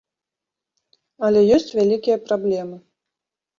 Але ёсць вялікія праблемы.